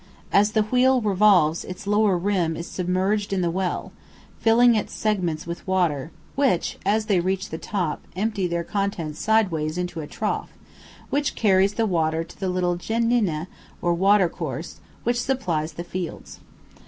As the wheel revolves its lower rim is submerged in the well, filling its segments with water, which, as they reach the top, empty their contents sideways into a trough, which carries the water to the little "genena," or watercourse, which supplies the fields.